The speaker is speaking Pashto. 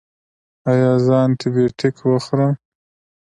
ایا زه انټي بیوټیک وخورم؟